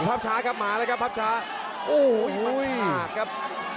ภาพช้าครับมาแล้วครับภาพช้าโอ้โหมากครับ